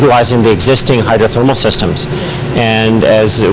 tapi untuk sistem hidratermanya yang sudah ada